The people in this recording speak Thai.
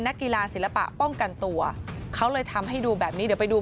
นักกีฬาศิลปะป้องกันตัวเขาเลยทำให้ดูแบบนี้เดี๋ยวไปดู